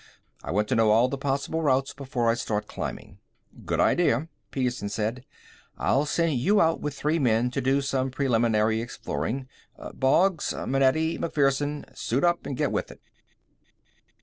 I want to know all the possible routes before I start climbing." "Good idea," Petersen said. "I'll send you out with three men to do some preliminary exploring. Boggs! Manetti! MacPherson! Suit up and get with it!"